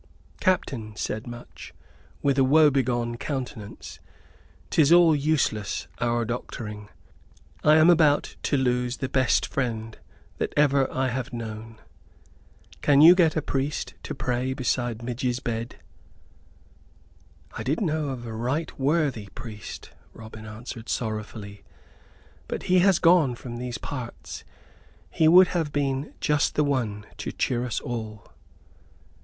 "Captain," said Much, with a woebegone countenance, "'tis all useless, our doctoring I am about to lose the best friend that ever I have known. Can you get a priest to pray beside Midge's bed?" "I did know of a right worthy priest," Robin answered, sorrowfully, "but he has gone from these parts. He would have been just the one to cheer us all."